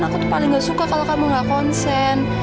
aku tuh paling gak suka kalau kamu gak konsen